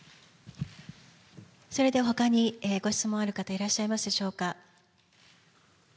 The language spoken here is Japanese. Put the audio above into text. それではほかにご質問ある方いらっしゃいますでしょうか。